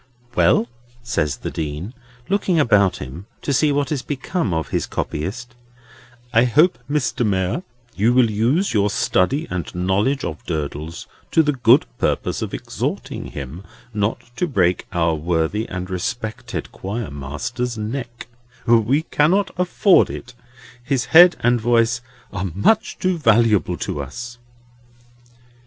"Well!" says the Dean, looking about him to see what has become of his copyist: "I hope, Mr. Mayor, you will use your study and knowledge of Durdles to the good purpose of exhorting him not to break our worthy and respected Choir Master's neck; we cannot afford it; his head and voice are much too valuable to us."